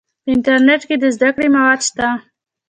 په انټرنیټ کې د زده کړې مواد شته.